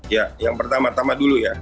ya yang pertama tama dulu ya